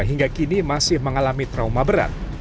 hingga kini masih mengalami trauma berat